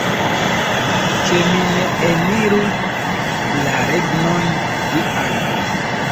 Ke mi ne eniru la Regnon Dian!